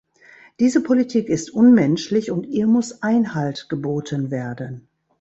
Diese Politik ist unmenschlich und ihr muss Einhalt geboten werden.